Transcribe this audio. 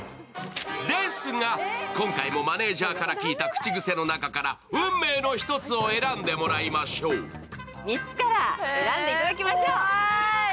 ですが、今回もマネージャーから聞いた口癖の中から運命の１つを選んでもらいましょう３つから選んでいただきましょう。